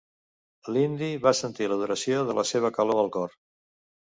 L'indi va sentir l'adoració de la seva calor al cor.